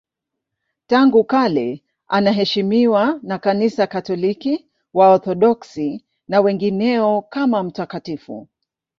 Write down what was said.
Tangu kale anaheshimiwa na Kanisa Katoliki, Waorthodoksi na wengineo kama mtakatifu.